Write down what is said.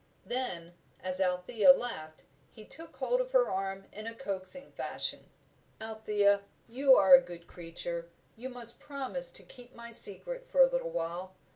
Then, as Althea laughed, he took hold of her arm in a coaxing fashion. "Althea, you are a good creature you must promise to keep my secret for a little while.